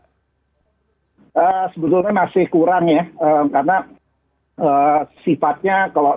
sebetulnya masih kurang ya karena sifatnya kalau